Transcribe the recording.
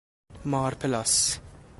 مارپلاس